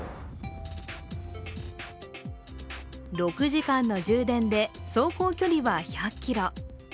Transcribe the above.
６時間の充電で走行距離は１００ｋｍ。